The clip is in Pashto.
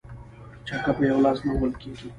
ـ چکه په يوه لاس نه وهل کيږي.